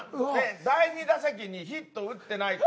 第２打席にヒット打ってないと。